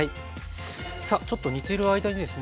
さあちょっと煮てる間にですね